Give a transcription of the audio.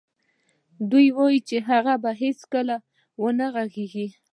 دوی ویل چې هغه به هېڅکله و نه غږېږي